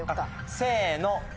せの。